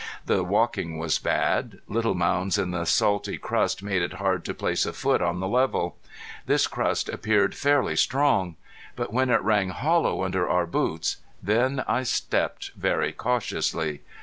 The walking was bad. Little mounds in the salty crust made it hard to place a foot on the level. This crust appeared fairly strong. But when it rang hollow under our boots, then I stepped very cautiously.